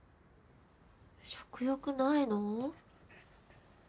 食欲ないの？